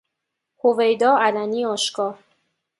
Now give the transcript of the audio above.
هویدا -علنی آشکار